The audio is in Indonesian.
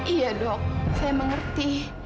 iya dok saya mengerti